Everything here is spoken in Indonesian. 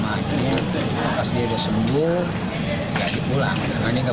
karena dia tidak becah di rumah sana